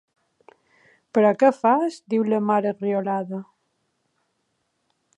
Però què fas? —diu la Mar, enriolada.